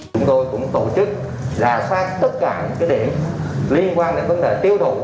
chúng tôi cũng tổ chức ra soát tất cả những điểm liên quan đến vấn đề tiêu thụ